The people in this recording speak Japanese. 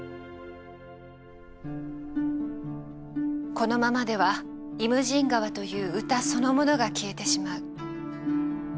「このままでは『イムジン河』という歌そのものが消えてしまう」。